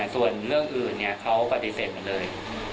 ส่วนเรื่องอื่นเขาปฏิเสธหมดเลย